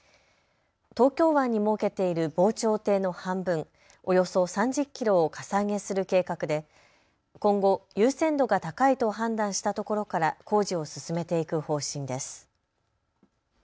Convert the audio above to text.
東京湾に設けている防潮堤の半分、およそ３０キロをかさ上げする計画で今後、優先度が高いと判断した所から工事を進めていく方針です。